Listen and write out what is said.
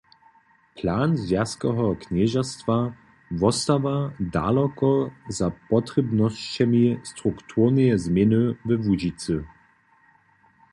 Plan zwjazkoweho knježerstwa wostawa daloko za potrěbnosćemi strukturneje změny we Łužicy.